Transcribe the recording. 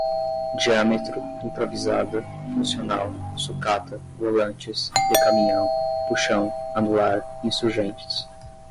diâmetro, improvisada, funcional, sucata, volantes, decaminhão, puxão, anular, insurgentes